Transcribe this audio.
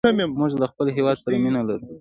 موږ له خپل هېواد سره مینه لرو.